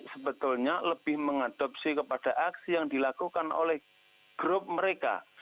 sebetulnya lebih mengadopsi kepada aksi yang dilakukan oleh grup mereka